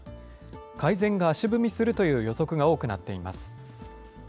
改善が足踏みするという予測が多くなっています。